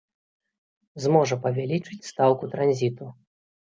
Зможа павялічыць стаўку транзіту.